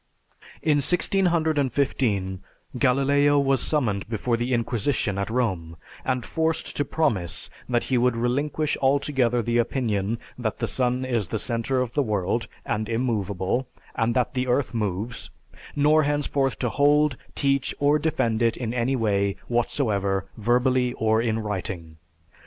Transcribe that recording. In 1615, Galileo was summoned before the Inquisition at Rome, and forced to promise that he would "relinquish altogether the opinion that the sun is the center of the world, and immovable, and that the earth moves, nor henceforth to hold, teach, or defend it in any way whatsoever verbally or in writing."